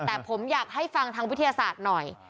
แต่ผมอยากให้ฟังทางวิทยาศาสตร์หน่อย